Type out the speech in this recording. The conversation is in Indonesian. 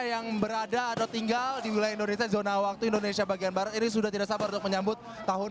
yang berada atau tinggal di wilayah indonesia zona waktu indonesia bagian barat ini sudah tidak sabar untuk menyambut tahun